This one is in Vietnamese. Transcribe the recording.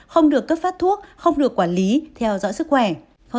không được cấp phát thuốc không được quản lý theo dõi sức khỏe